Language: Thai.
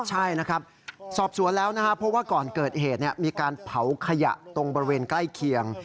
ใช่นะครับสอบสวนแล้วนะครับเพราะว่าก่อนเกิดเหตุมีการเผาขยะตรงบริเวณใกล้เคียง